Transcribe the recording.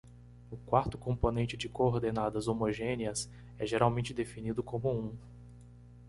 O quarto componente de coordenadas homogêneas é geralmente definido como um.